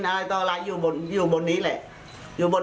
เป็นตอนอะไรอยู่บนบ้านนี้อยู่บ้าน